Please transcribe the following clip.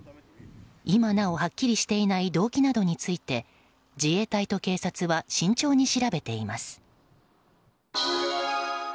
今なおはっきりしていない動機などについて自衛隊と警察は慎重に調べています。